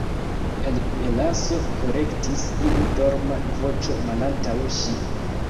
"El melaso," korektis iu dorma voĉo malantaŭ ŝi.